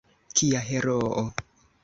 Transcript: Kia heroo!